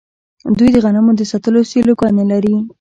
دوی د غنمو د ساتلو سیلوګانې لري.